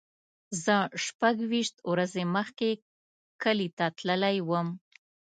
زه شپږ ویشت ورځې مخکې کلی ته تللی وم.